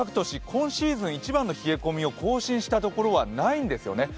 今シーズン一番の冷え込みを更新した所はないんですね。